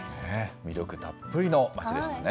魅力たっぷりの町でしたね。